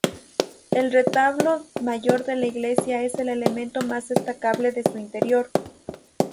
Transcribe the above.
El retablo mayor de la iglesia es el elemento más destacable de su interior.